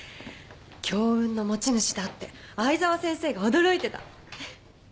強運の持ち主だって藍沢先生が驚いてた。